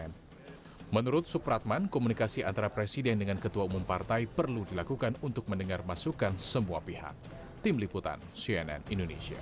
terima kasih sudah hadir malam hari ini